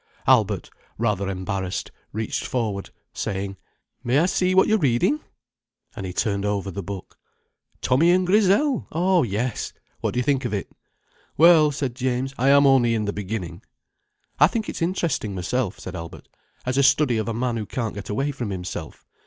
Albert, rather embarrassed, reached forward, saying: "May I see what you're reading!" And he turned over the book. "'Tommy and Grizel!' Oh yes! What do you think of it?" "Well," said James, "I am only in the beginning." "I think it's interesting, myself," said Albert, "as a study of a man who can't get away from himself.